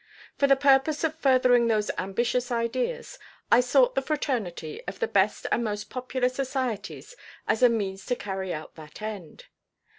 For the purpose of furthering those ambitious ideas I sought the fraternity of the best and most popular societies as a means to carry out that end.